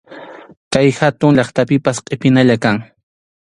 Kay hatun llaqtapipas qʼipinalla kan.